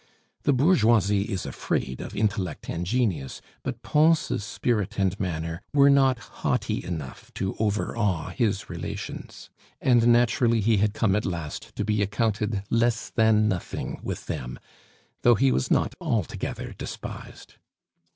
The bourgeoisie is afraid of intellect and genius, but Pons' spirit and manner were not haughty enough to overawe his relations, and naturally he had come at last to be accounted less than nothing with them, though he was not altogether despised.